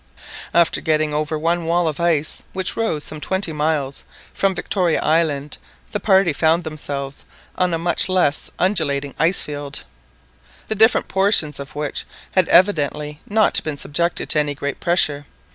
After getting over one wall of ice which rose some twenty miles from Victoria Island, the party found themselves on a much less undulating ice field, the different portions of which had evidently not been subjected to any great pressure.